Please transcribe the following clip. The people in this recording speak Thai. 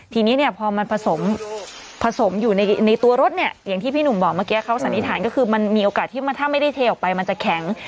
ทีนี้เนี่ยพอมันผสมผสมอยู่ในตัวรถเนี่ยอย่างที่พี่หนุ่มบอกเมื่อกี้เขาสันนิษฐานก็คือมันมีโอกาสที่ถ้าไม่ได้เทออกไปมันจะแข็ง